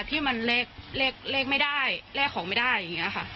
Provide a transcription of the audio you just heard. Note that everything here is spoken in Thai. ที่มันเลขไม่ได้แลกของไม่ได้อย่างนี้ค่ะ